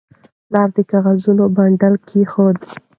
پلار د کاغذونو بنډل کېښود.